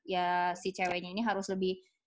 ya si ceweknya ini harus lebih